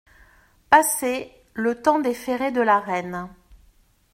Passé, le temps des ferrets de la reine.